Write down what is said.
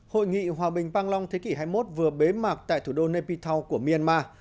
hội nghị hòa bình panglong thế kỷ hai mươi một vừa bế mạc tại thủ đô nepal của myanmar